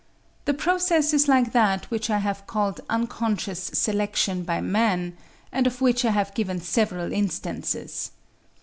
The process is like that which I have called unconscious selection by man, and of which I have given several instances.